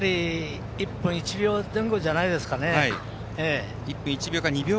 １分１秒前後じゃないですかね。